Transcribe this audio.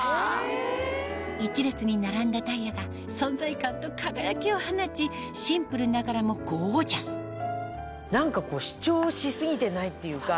１列に並んだダイヤが存在感と輝きを放ちシンプルながらもゴージャス何か主張し過ぎてないっていうか。